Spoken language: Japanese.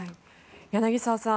柳澤さん